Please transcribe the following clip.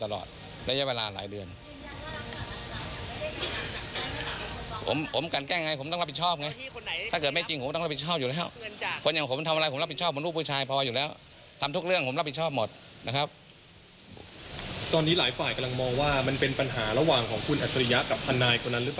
ระหว่างของคุณอาชุยะกับทนายคนนั้นหรือเปล่า